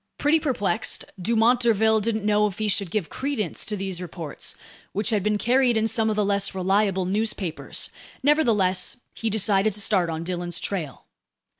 Pretty perplexed, Dumont d'Urville didn't know if he should give credence to these reports, which had been carried in some of the less reliable newspapers; nevertheless, he decided to start on Dillon's trail.